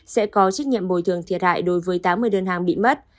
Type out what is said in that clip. sẽ có trách nhiệm bồi thường thiệt hại đối với tám mươi đơn hàng bị mất